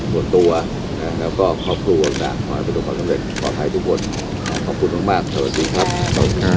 เพราะว่าบางอย่างจะมีสถานการณ์เหมือนกัน